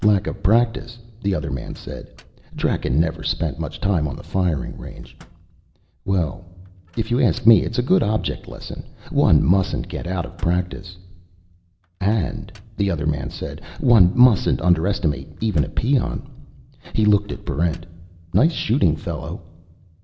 "Lack of practice," the other man said. "Draken never spent much time on the firing range." "Well, if you ask me, it's a very good object lesson. One mustn't get out of practice." "And," the other man said, "one mustn't underestimate even a peon." He looked at Barrent. "Nice shooting, fellow."